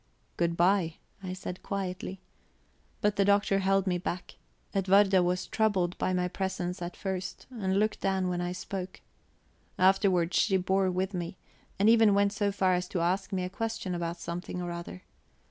"Good bye," I said quietly. But the Doctor held me back. Edwarda was troubled by my presence at first, and looked down when I spoke; afterwards, she bore with me, and even went so far as to ask me a question about something or other.